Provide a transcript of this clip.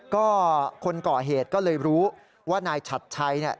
ก็คนก่อเหตุก็เลยรู้ว่านายฉัดชัยเนี่ย